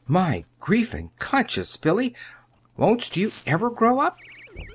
"My grief and conscience, Billy! Wors't you ever grow up?"